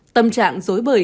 tâm trạng dối